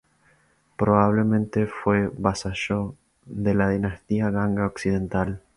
Probablemente fue vasallo de la Dinastía Ganga Occidental.